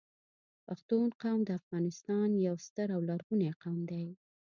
پښتون قوم د افغانستان یو ستر او لرغونی قوم دی